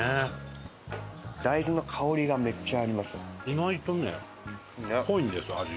意外とね濃いんです、味。